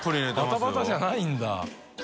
バタバタじゃないんだ。